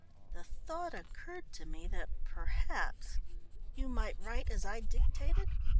"The thought occurred to me that perhaps you might write as I dictated.